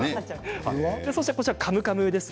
そして、カムカムです。